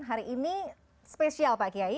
hari ini spesial pak kiai